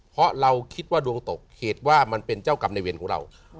เพราะเราคิดว่าดวงตกเหตุว่ามันเป็นเจ้ากรรมในเวรของเรา